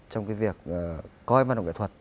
trong cái việc coi văn hóa kỹ thuật